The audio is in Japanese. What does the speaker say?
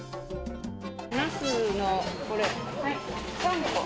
なすのこれ、３個。